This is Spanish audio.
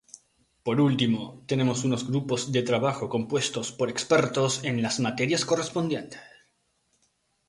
Por último, tenemos unos grupos de trabajo compuestos por expertos en las materias correspondientes.